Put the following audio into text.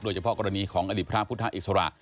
เฉพาะกรณีของอดีตพระพุทธอิสระ